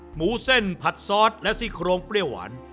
หมูเส้นผัดซอสและซี่โครงเปรี้ยวหวาน